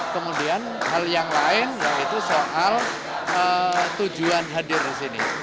kemudian hal yang lain yaitu soal tujuan hadir di sini